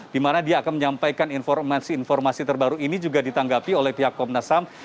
di mana dia akan menyampaikan informasi informasi terbaru ini juga ditanggapi oleh pihak komnas ham